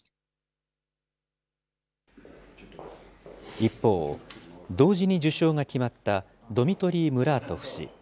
一方、同時に受賞が決まったドミトリー・ムラートフ氏。